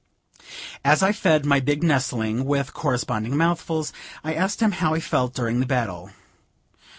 As I fed my big nestling with corresponding mouthfuls, I asked him how he felt during the battle.